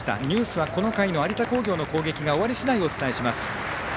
ニュースはこの回の有田工業の攻撃が終わり次第お伝えします。